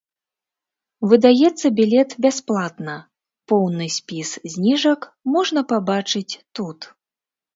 Выдаецца білет бясплатна, поўны спіс зніжак можна пабачыць тут.